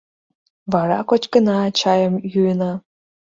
Вара кочкына, чайым йӱына.